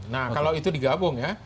nah kalau itu digabung ya